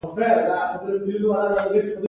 دا نژادي او جنسیتي تفکیک رامنځته کوي.